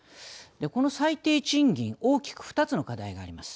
この最低賃金大きく２つの課題があります。